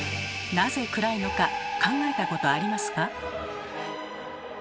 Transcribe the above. なぜ暗いのか考えたことありますか？